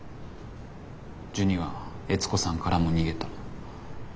ジュニは悦子さんからも逃げた。